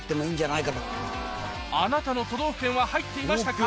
あなたの都道府県は入っていましたか？